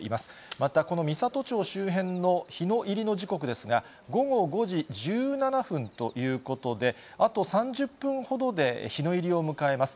またこの美郷町周辺の日の入りの時刻ですが、午後５時１７分ということで、あと３０分ほどで日の入りを迎えます。